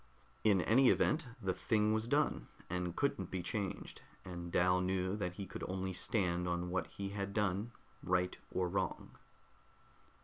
In any event, the thing was done, and couldn't be changed, and Dal knew that he could only stand on what he had done, right or wrong.